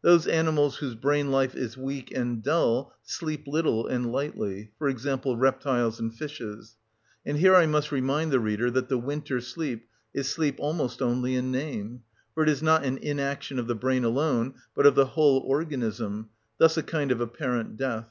Those animals whose brain life is weak and dull sleep little and lightly; for example, reptiles and fishes: and here I must remind the reader that the winter sleep is sleep almost only in name, for it is not an inaction of the brain alone, but of the whole organism, thus a kind of apparent death.